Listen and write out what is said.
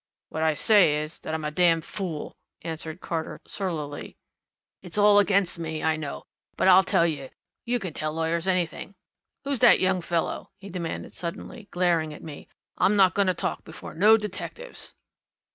"What I say is that I'm a damned fool!" answered Carter surlily. "It's all against me, I know, but I'll tell you you can tell lawyers anything. Who's that young fellow?" he demanded suddenly, glaring at me. "I'm not going to talk before no detectives."